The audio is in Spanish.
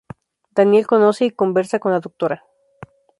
Daniel conoce y conversa con la Dra.